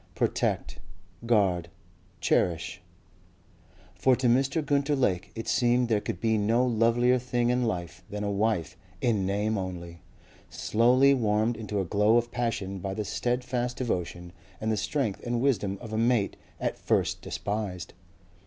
Protect, guard, cherish...." For to Mr. Gunter Lake it seemed there could be no lovelier thing in life than a wife "in name only" slowly warmed into a glow of passion by the steadfast devotion and the strength and wisdom of a mate at first despised.